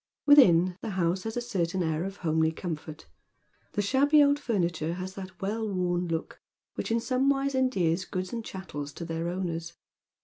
"Within, the house has a certain air of homely comfort. The ehabby old furniture has that well worn look which in some wise endears goods and chattels to their owners.